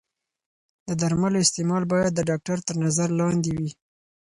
د درملو استعمال باید د ډاکتر تر نظر لاندې وي.